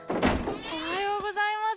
おはようございます。